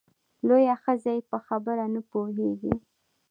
لویه ښځه یې په خبره نه پوهېږې !